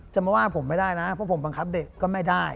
จะมาว่าผมไม่ได้นะเพราะผมบังคับเด็กก็ไม่ได้